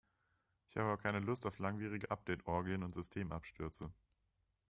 Ich habe aber keine Lust auf langwierige Update-Orgien und Systemabstürze.